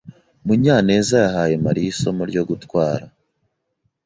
Munyaneza yahaye Mariya isomo ryo gutwara.